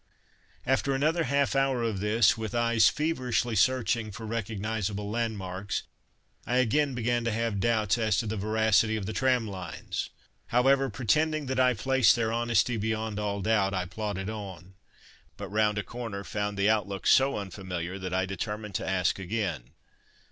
After another half hour of this, with eyes feverishly searching for recognizable landmarks, I again began to have doubts as to the veracity of the tram lines. However, pretending that I placed their honesty beyond all doubt, I plodded on; but round a corner, found the outlook so unfamiliar that I determined to ask again.